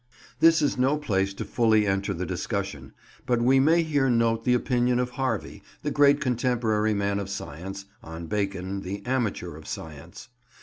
This is no place to fully enter the discussion, but we may here note the opinion of Harvey, the great contemporary man of science, on Bacon, the amateur of science.